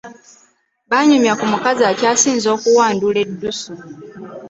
Baanyumya ku mukazi akyasinze okuwandula eddusu.